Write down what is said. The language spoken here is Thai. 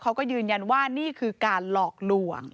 เขาก็ยืนยันว่านี่คือการหลอกลวง